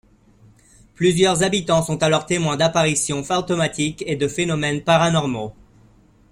Plusieurs habitants sont alors témoins d'apparitions fantomatiques et de phénomènes paranormaux.